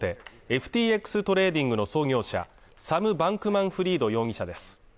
ＦＴＸトレーディングの創業者サム・バンクマンフリード容疑者です